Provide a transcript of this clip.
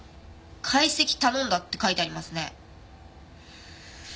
「解析頼んだ」って書いてありますね。